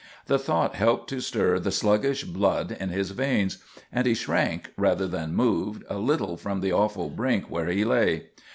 The thought helped to stir the sluggish blood in his veins, and he shrank, rather than moved, a little from the awful brink where he lay.